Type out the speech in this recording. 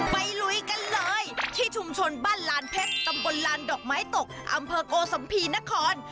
ไปลุยกันเลยที่ชุมชนบ้านล้านเพชรตำปนลารดอกไม้ตกอัมพกสัมภินคร